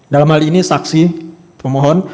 dalam hal ini saksi pemohon